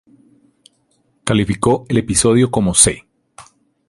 Calificó el episodio como "C".